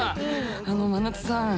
あの真夏さん